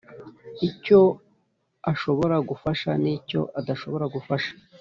icyo ashobora gufasha nicyo adashobora gufasha